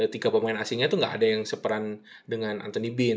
tiga pemain asingnya itu nggak ada yang seperan dengan anthony bin